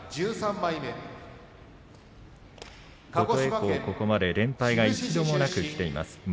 琴恵光、ここまで連敗一度もなくきています。